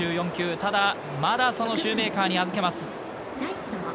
ただ、まだそのシューメーカーに預けます。